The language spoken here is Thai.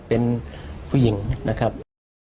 เป็นผู้หญิงนะครับ